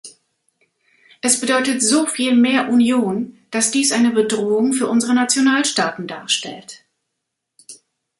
Es bedeutet so viel mehr Union, dass dies eine Bedrohung für unsere Nationalstaaten darstellt.